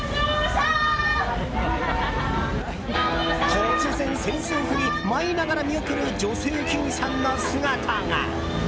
突然、扇子を振り舞いながら見送る女性駅員さんの姿が。